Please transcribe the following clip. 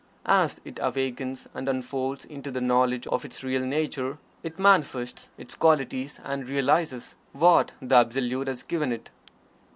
As it awakens and unfolds into the knowledge of its real nature, it manifests its qualities, and realizes what the Absolute has given it.